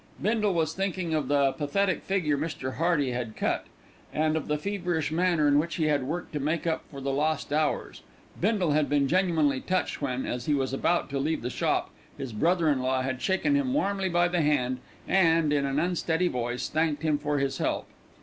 Bindle was thinking of the pathetic figure Mr. Hearty had cut, and of the feverish manner in which he had worked to make up for the lost hours, Bindle had been genuinely touched when, as he was about to leave the shop, his brother in law had shaken him warmly by the hand and, in an unsteady voice, thanked him for his help.